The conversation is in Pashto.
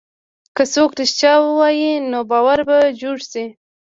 که څوک رښتیا ووایي، نو باور به جوړ شي.